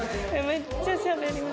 めっちゃしゃべるんだ。